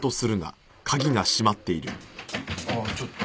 ああちょっと。